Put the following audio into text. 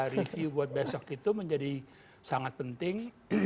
review buat besok itu menjadi sangat penting